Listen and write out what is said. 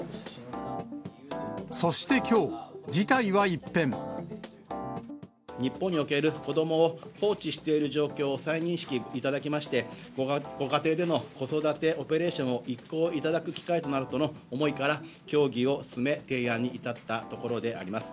そしてきょう、日本における子どもを放置している状況を再認識いただきまして、ご家庭での子育てオペレーションを一考いただきたいという思いから、協議を進め、提案に至ったところであります。